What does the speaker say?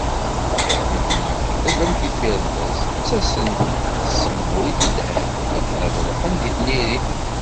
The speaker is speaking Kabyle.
Iḥbiben n lekdeb am tfirellas. Ttasen-d deg tsemhuyt yelhan akken ad ruḥen deg n diri.